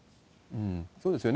そうですよね。